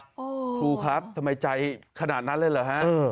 ครูครับทำไมใจขนาดนั้นเลยเหรอฮะ